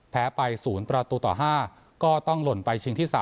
แพ้ไป๐ประตูต่อ๕ก็ต้องหล่นไปชิงที่๓